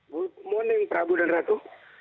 good morning prabu dan ratu